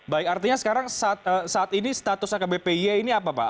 baik artinya sekarang saat ini status akbpy ini apa pak